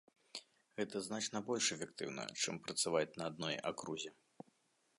Гэта значна больш эфектыўна, чым працаваць на адной акрузе.